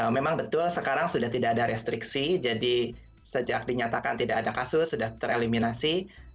memang betul sekarang sudah tidak ada restriksi jadi sejak dinyatakan tidak ada kasus sudah tereliminasi